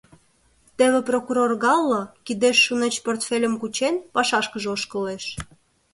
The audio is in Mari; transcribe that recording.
Теве прокурор Галло, кидеш шунеч портфельым кучен, пашашкыже ошкылеш.